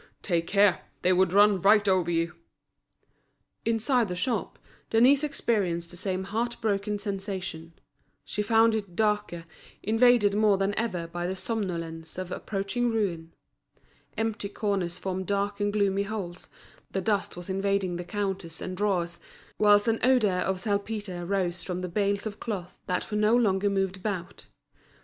"Take care! they would run right over you." Inside the shop, Denise experienced the same heart broken sensation; she found it darker, invaded more than ever by the somnolence of approaching ruin; empty corners formed dark and gloomy holes, the dust was invading the counters and drawers, whilst an odour of saltpetre rose from the bales of cloth that were no longer moved about.